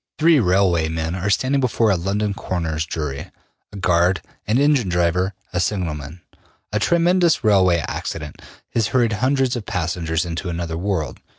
Three railway men are standing before a London coroner's jury a guard, an engine driver, a signalman. A tremendous railway accident has hurried hundreds of passengers into another world.